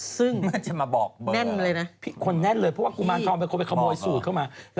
ซึ่งแน่นมาเลยนะ